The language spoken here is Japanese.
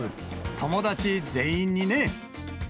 友達全員にね。